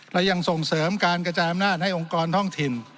และยังส่งเสริมการกระจายอำนาจให้องค์กรท้องถิ่น